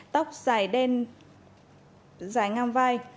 tóc dài đen dài ngang vai